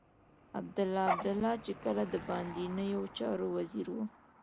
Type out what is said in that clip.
عبدالله عبدالله چې کله د باندنيو چارو وزير و.